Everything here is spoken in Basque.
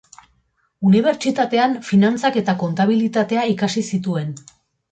Unibertsitatean finantzak eta kontabilitatea ikasi zituen.